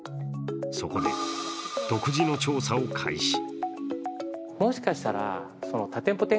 そこで独自の調査を開始。